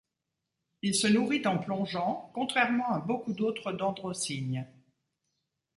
Il se nourrit en plongeant contrairement à beaucoup d'autres dendrocygnes.